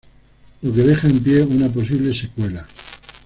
Lo que deja en pie una posible secuela.